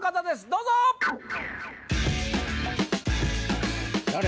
どうぞ誰？